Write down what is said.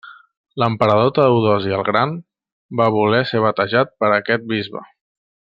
L'emperador Teodosi el gran va voler ser batejat per aquest bisbe.